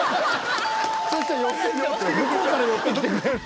「そしたら向こうから寄ってきてくれる」